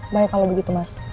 baik kalau begitu mas